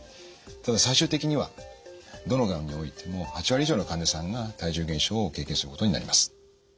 ただ最終的にはどのがんにおいても８割以上の患者さんが体重減少を経験することになります。